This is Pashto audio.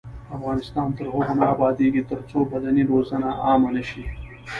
افغانستان تر هغو نه ابادیږي، ترڅو بدني روزنه عامه نشي.